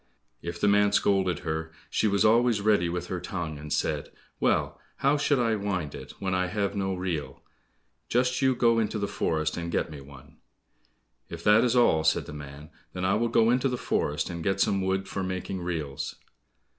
If the man scolded her, she was always ready with her tongue, and said, "Well, how should I wind it, when I have no reel? Just you go into the forest and get me one." "If that is all," said the man, "then I will go into the forest, and get some wood for making reels."